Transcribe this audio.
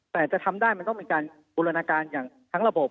แต่จะทำได้มันต้องเป็นการบูรณาการอย่างทั้งระบบ